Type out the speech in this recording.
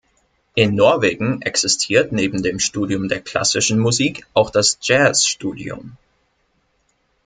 In Norwegen existiert neben dem Studium der klassischen Musik auch das Jazzstudium.